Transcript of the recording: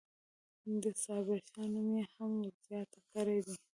د صابرشاه نوم یې هم ورزیات کړی دی.